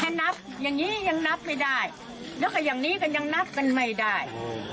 ถ้านับอย่างนี้ยังนับไม่ได้แล้วก็อย่างนี้ก็ยังนับกันไม่ได้